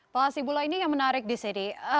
pak hasibulo ini yang menarik di sini